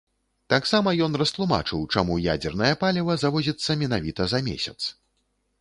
Таксама ён растлумачыў, чаму ядзернае паліва завозіцца менавіта за месяц.